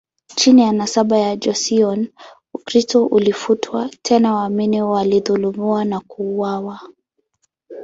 Chini ya nasaba ya Joseon, Ukristo ulifutwa, tena waamini walidhulumiwa na kuuawa.